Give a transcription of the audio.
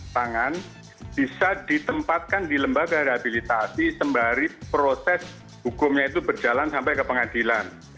pangan bisa ditempatkan di lembaga rehabilitasi sembari proses hukumnya itu berjalan sampai ke pengadilan